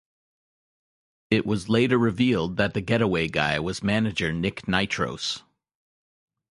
It was later revealed that the Getaway Guy was manager Nick Nitros.